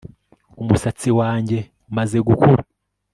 Umusatsi wanjye umaze gukura